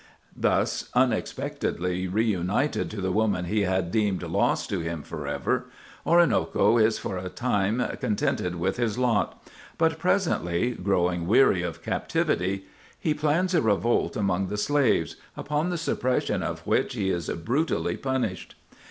Thus unexpectedly reunited to the woman he had deemed lost to him forever, Oroonoko is for a time contented with his lot; but presently, growing weary of captivity, he plans a revolt among the slaves, upon the suppression of which he is brutally punished.